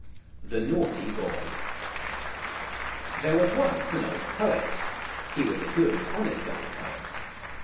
THE NAUGHTY BOY THERE was once an old poet, he was a good, honest old poet.